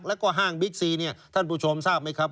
แล้วก็ห้างบิ๊กซีเนี่ยท่านผู้ชมทราบไหมครับ